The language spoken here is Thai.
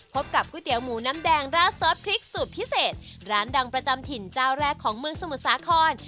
กับก๋วยเตี๋ยหมูน้ำแดงราดซอสพริกสูตรพิเศษร้านดังประจำถิ่นเจ้าแรกของเมืองสมุทรสาคร